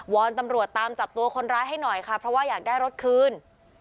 อนตำรวจตามจับตัวคนร้ายให้หน่อยค่ะเพราะว่าอยากได้รถคืน